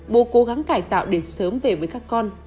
bố cố gắng cải tạo để sớm về với các con